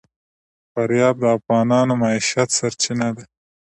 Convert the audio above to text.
فاریاب د افغانانو د معیشت سرچینه ده.